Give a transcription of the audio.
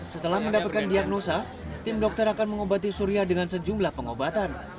setelah mendapatkan diagnosa tim dokter akan mengobati surya dengan sejumlah pengobatan